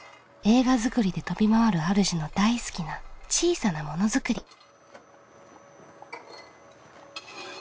映画作りで飛び回るあるじの大好きな小さなものづくり。